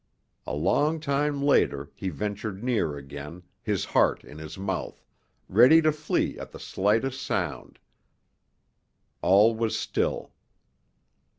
A long time later he ventured near again, his heart in his mouth, ready to flee at the slightest sound. All was still.